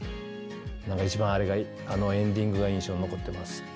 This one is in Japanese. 一番あのエンディングが印象に残ってます。